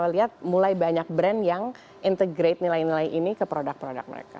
lihat mulai banyak brand yang integrate nilai nilai ini ke produk produk mereka